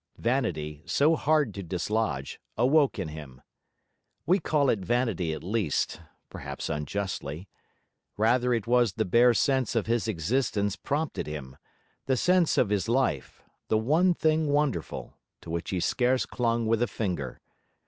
Vanity, so hard to dislodge, awoke in him. We call it vanity at least; perhaps unjustly. Rather it was the bare sense of his existence prompted him; the sense of his life, the one thing wonderful, to which he scarce clung with a finger.